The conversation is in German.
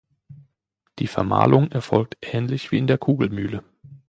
Die Vermahlung erfolgt ähnlich wie in der Kugelmühle.